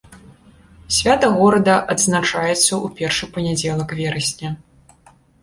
Свята горада адзначаецца ў першы панядзелак верасня.